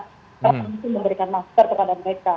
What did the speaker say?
kita langsung memberikan masker kepada mereka